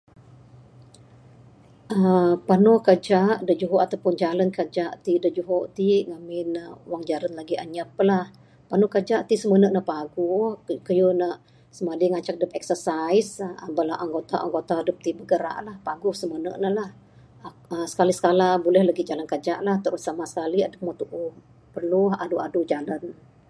Panu kaja ato pun jalan kaja da juho ti ngamin ne wang jaran lagi anyap lah panu kaja ti simene ne paguh kayuh ne simadi ngancak adep exercise. Bala anggota anggota adep ti bergerak lah paguh simene ne lah. Pak skali skala buleh lagih panu kaja lah terutama sekali adep meh tuuh perlu adu Adu jalan.